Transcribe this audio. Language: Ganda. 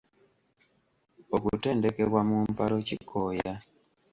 Okutendekebwa mu mpalo kikooya.